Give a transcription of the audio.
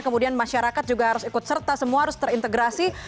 kemudian masyarakat juga harus ikut serta semua harus terintegrasi